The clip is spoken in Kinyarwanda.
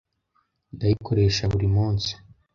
Ndayikoresha buri munsi.